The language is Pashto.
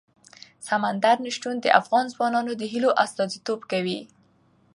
سمندر نه شتون د افغان ځوانانو د هیلو استازیتوب کوي.